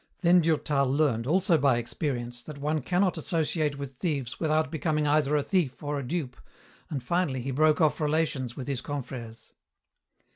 Then Durtal learned, also by experience, that one cannot associate with thieves without becoming either a thief or a dupe, and finally he broke off relations with his confrères.